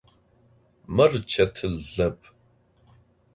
Mır çetılep.